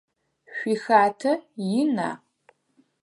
Шъуихатэ ина?